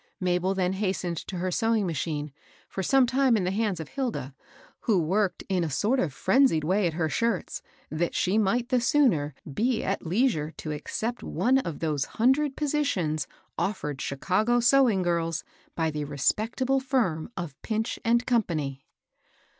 Mabel then has tened to her sewing machine, for some time in the hands of Hilda, who worked in a sort of frenzied way at her shirts, that she might the sooner be at leisure to accept one of those hundred positions offered Chicago sewing girls by the respectable firm of Pinch and Company.